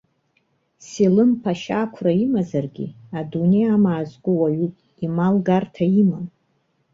Селым-ԥашьа ақәра имазаргьы, адунеи амаа зку уаҩуп, имал гарҭа амам!